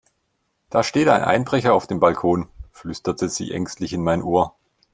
Da steht ein Einbrecher auf dem Balkon, flüsterte sie ängstlich in mein Ohr.